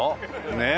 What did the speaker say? ねえ。